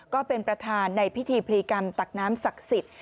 ก็เป็นประธานในพิธีพลีกรรมตักน้ำศักดิ์สิทธิ์